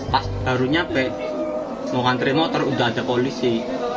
pas baru nyampe mau ngantri motor udah ada polisi